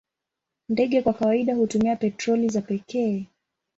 Ndege kwa kawaida hutumia petroli za pekee.